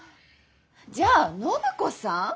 じゃあ暢子さん？